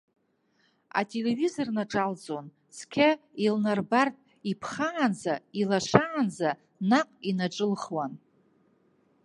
Ателевизор наҿалҵон, цқьа илнарбартә иԥхаанӡа, илашаанӡа, наҟ инаҿылхуан.